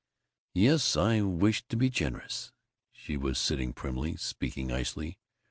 "Yes, I wish to be generous." She was sitting primly, speaking icily.